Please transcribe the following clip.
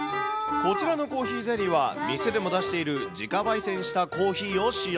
こちらのコーヒーゼリーは、店でも出している、自家ばい煎したコーヒーを使用。